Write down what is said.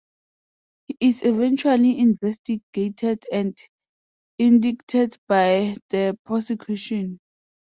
He is eventually investigated and indicted by the prosecution.